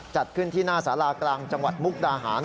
จัดขึ้นที่หน้าสารากลางจังหวัดมุกดาหาร